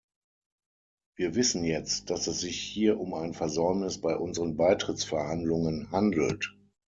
Wir wissen jetzt, dass es sich hier um ein Versäumnis bei unseren Beitrittsverhandlungen handelt.